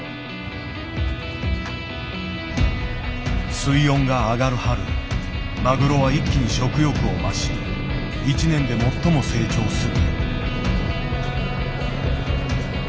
水温が上がる春マグロは一気に食欲を増し一年で最も成長する。